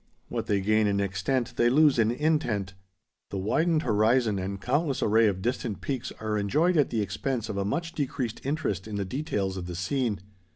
What they gain in extent they lose in intent. The widened horizon and countless array of distant peaks are enjoyed at the expense of a much decreased interest in the details of the scene.